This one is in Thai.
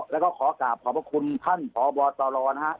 แล้วก็ขอกล่าวแล้วก็ขอประคุณท่านพบตรนะฮะ